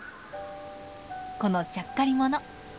このちゃっかり者。